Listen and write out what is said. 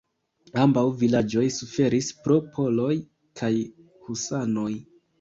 Ambaŭ vilaĝoj suferis pro poloj kaj husanoj.